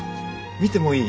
見てもいい？